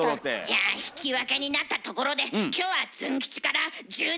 じゃあ引き分けになったところで今日はズン吉から重大発表があります。